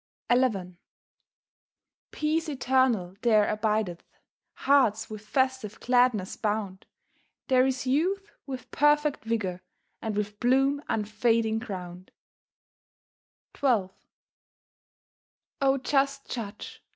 XI Peace eternal there abideth, Hearts with festive gladness bound; There is youth with perfect vigour, And with bloom unfading crowned. XII O just Judge!